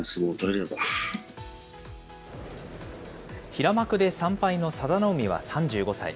平幕で３敗の佐田の海は３５歳。